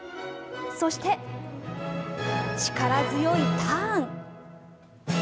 そして、力強いターン。